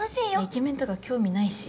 イケメンとか興味ないし。